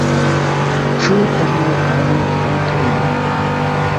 Ĉu homo aŭ fantomo?